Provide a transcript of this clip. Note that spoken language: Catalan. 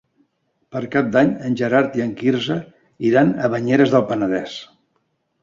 Per Cap d'Any en Gerard i en Quirze iran a Banyeres del Penedès.